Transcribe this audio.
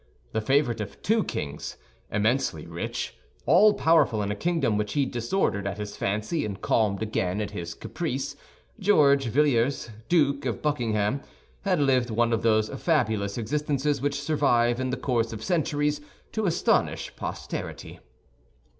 The favorite of two kings, immensely rich, all powerful in a kingdom which he disordered at his fancy and calmed again at his caprice, George Villiers, Duke of Buckingham, had lived one of those fabulous existences which survive, in the course of centuries, to astonish posterity.